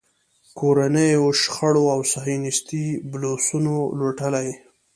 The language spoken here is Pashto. کورنیو شخړو او صیهیونېستي بلوسنو لوټلی.